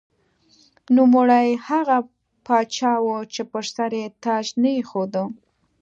نوموړی هغه پاچا و چې پر سر یې تاج نه ایښوده.